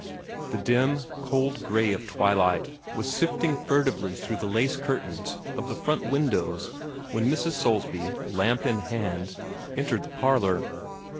The dim, cold gray of twilight was sifting furtively through the lace curtains of the front windows when Mrs. Soulsby, lamp in hand, entered the parlor.